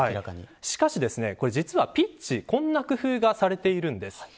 しかし、実はピッチこんな工夫がされているんです。